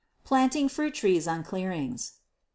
Planting Fruit Trees on Clearings.